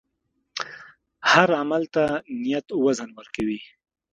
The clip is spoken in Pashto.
هر عمل ته نیت وزن ورکوي.